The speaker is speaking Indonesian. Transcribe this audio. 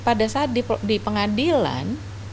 pada saat di pengadilan